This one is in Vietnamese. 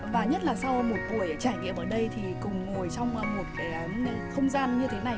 và nhất là sau một buổi trải nghiệm ở đây thì cùng ngồi trong một cái không gian như thế này